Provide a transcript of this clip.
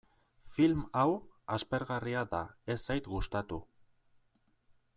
Film hau aspergarria da, ez zait gustatu.